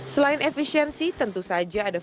selain efisiensi tentu saja ada